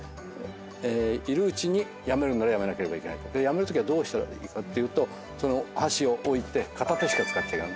いるうちにやめなければいけないやめるときどうするかというと箸を置いて片手しか使っちゃいけない。